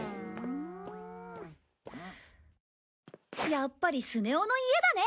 やっぱりスネ夫の家だね！